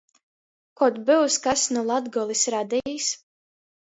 Kod byus kas nu Latgolys Radejis?